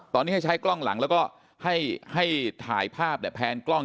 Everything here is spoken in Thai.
ตอนนี้ให้ใช้กล้องหลังแล้วก็ให้ถ่ายภาพแพนกล้อง